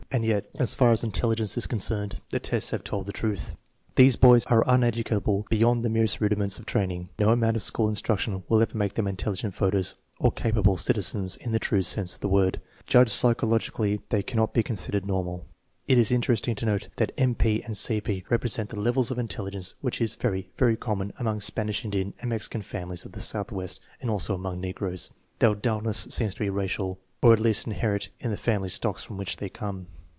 And yet, as far as intelligence is concerned, the tests have told the truth. These boys are uneducable be yond the merest rudiments of training. No amount of school instruction will ever make them intelligent voters or capable citizens in the true sense of the word. Judged psychologically they cannot be considered normal. It is interesting to note that M. P. and C. P. represent the level of intelligence which is very, very common among Spanish Indian and Mexican families of the Southwest and also among negroes. Their dullness seems to be racial, or at least inherent in the family stocks from which they come.